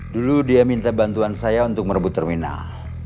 dulu dia minta bantuan saya untuk merebut terminal